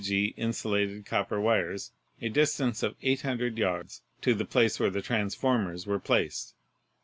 G. insulated copper wires a distance of 800 yards to the place where the transformers were placed.